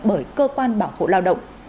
bởi cơ quan bảo hộ lao động